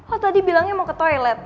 oh tadi bilangnya mau ke toilet